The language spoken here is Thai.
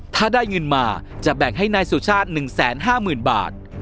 ถ้าได้เงินมาจะแบ่งให้นายสุชาติหนึ่งแสนห้าหมื่นบาท